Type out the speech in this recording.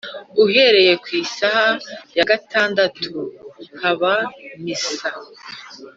Uhereye ku isaha ya gatandatu haba misa